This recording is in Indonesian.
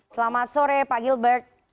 selamat sore pak gilbert